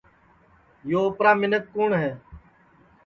یو اوپرا منکھ کُوٹؔ ہے